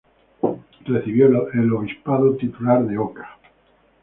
Recibió el obispado titular de Oca.